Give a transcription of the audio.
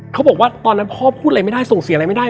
เขาบอกว่าตอนนั้นพ่อพูดอะไรไม่ได้ส่งเสียอะไรไม่ได้